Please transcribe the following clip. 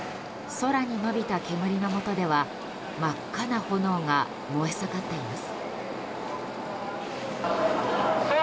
空に伸びた煙のもとでは真っ赤な炎が燃え盛っています。